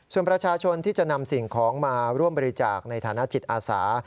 ส่วนประชาชนที่จะนำสิ่งของมาร่วมบริจาคในฐานะจิตอาสา